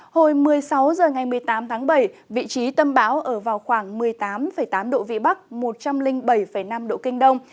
hồi một mươi sáu h ngày một mươi tám tháng bảy vị trí tâm bão ở vào khoảng một mươi tám tám độ vĩ bắc một trăm linh bảy năm độ kinh đông